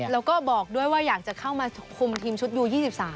แล้วก็บอกด้วยว่าอยากจะเข้ามาคุมทีมชุดยู๒๓